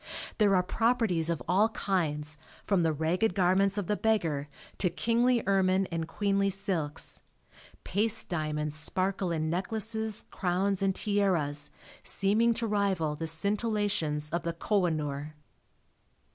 There are "properties" of all kinds from the ragged garments of the beggar to kingly ermine and queenly silks. Paste diamonds sparkle in necklaces, crowns and tiaras, seeming to rival the scintillations of the Kohinoor.